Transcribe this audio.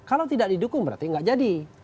kalau tidak didukung berarti nggak jadi